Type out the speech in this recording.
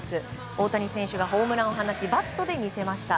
大谷選手がホームランを放ちバットで見せました。